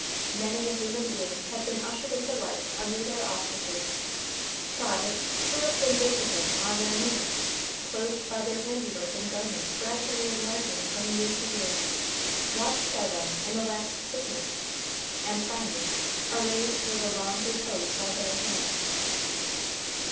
Many a human being had been ushered into life under their auspices, trotted, chirruped in babyhood on their knees, clothed by their handiwork in garments gradually enlarging from year to year, watched by them in the last sickness, and finally arrayed for the long repose by their hands.